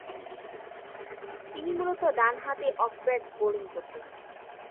তিনি মূলতঃ ডানহাতি অফ ব্রেক বোলিং করতেন।